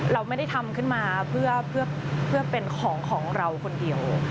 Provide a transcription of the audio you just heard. เราไม่ได้ทำขึ้นมาเพื่อเป็นของของเราคนเดียว